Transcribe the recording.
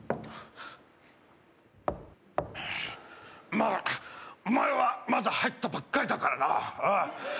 まあ、お前はまだ入ったばっかりだからな。